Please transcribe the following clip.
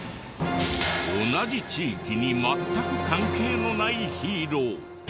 同じ地域に全く関係のないヒーロー！